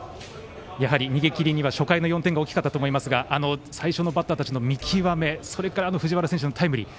やはり、逃げ切りには初回の４点が大きかったと思いますが最初のバッターたちの見極めそれから藤原選手のタイムリー。